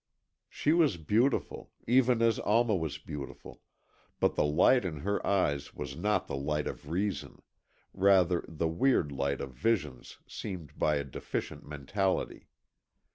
She was beautiful, even as Alma was beautiful, but the light in her eyes was not the light of reason, rather the weird light of visions seen by a deficient mentality.